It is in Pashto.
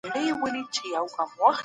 سوزېدلي کاغذ د علم په مټ لوستل کیږي.